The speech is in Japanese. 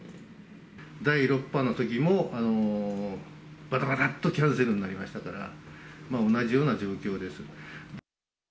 第６波のときも、ばたばたっとキャンセルになりましたから、同じような状況です。